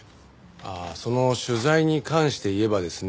ああその取材に関して言えばですね